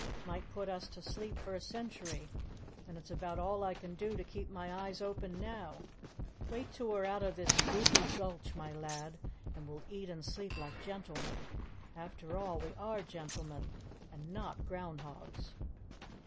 "Might put us to sleep for a century and it's about all I can do to keep my eyes open now. Wait till we're out of this goopy gulch, my lad, and we'll eat and sleep like gentlemen. After all, we are gentlemen and not ground hogs."